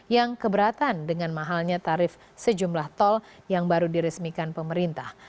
yang keberatan dengan mahalnya tarif sejumlah tol yang baru diresmikan pemerintah